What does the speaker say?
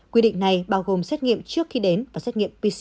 quy định này bao gồm xét nghiệm trước khi đến và xét nghiệm pcr khi đến nơi